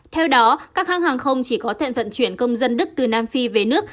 theo đó các hãng hàng không chỉ có thể vận chuyển công dân đức từ nam phi về nước